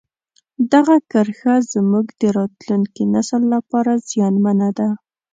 دغه کرښه زموږ د راتلونکي نسل لپاره زیانمنه ده.